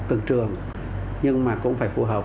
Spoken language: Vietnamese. từng trường nhưng mà cũng phải phù hợp